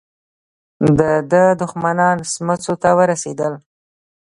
د ده دښمنان سموڅې ته ورسېدل.